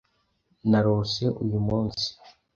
Narose uyu munsi.